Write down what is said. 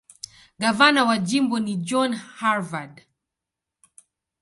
Gavana wa jimbo ni John Harvard.